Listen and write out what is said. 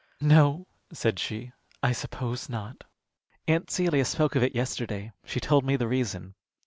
"No," said she, "I suppose not. Aunt Celia spoke of it yesterday. She told me the reason."